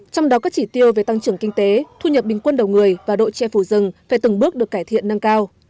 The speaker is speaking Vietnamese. trong đó các chỉ tiêu về tăng trưởng kinh tế thu nhập bình quân đầu người và đội che phù dân phải từng bước được cải thiện nâng cao